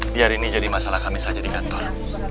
biar ini jadi masalah kami saja di kantor